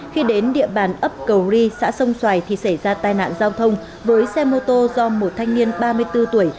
khi đến địa bàn ấp cầu ri xã sông xoài thì xảy ra tai nạn giao thông với xe mô tô do một thanh niên ba mươi bốn tuổi